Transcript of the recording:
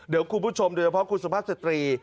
เดี๋ยวคุณผู้ชมโดยเฉพาะคุณสุภาพสตรี